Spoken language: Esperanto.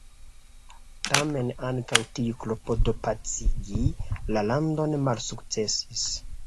Tamen ankaŭ tiu klopodo pacigi la landon malsukcesis.